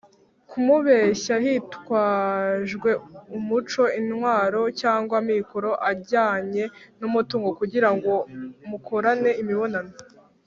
kumubeshya hitwajwe umuco intwaro cyangwa amikoro ajyanye n umutungo kugira ngo mukorane imibonano